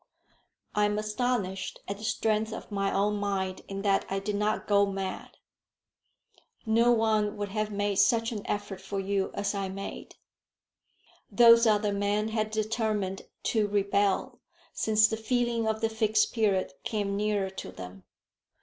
I am astonished at the strength of my own mind in that I did not go mad. No one would have made such an effort for you as I made. Those other men had determined to rebel since the feeling of the Fixed Period came near to them.